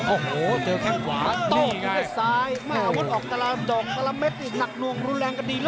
โอ้โหเจอแค่ขวานนี่ไง